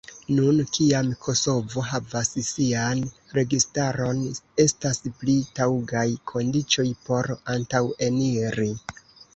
Nun, kiam Kosovo havas sian registaron, estas pli taŭgaj kondiĉoj por antaŭeniri.